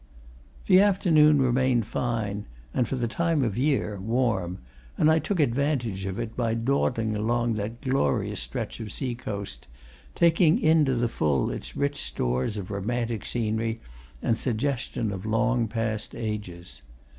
The afternoon remained fine, and, for the time of year, warm, and I took advantage of it by dawdling along that glorious stretch of sea coast, taking in to the full its rich stores of romantic scenery and suggestion of long past ages.